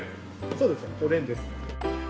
そうですねおでんです。